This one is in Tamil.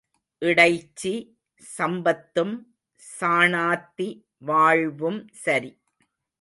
இடைச்சி சம்பத்தும் சாணாத்தி வாழ்வும் சரி.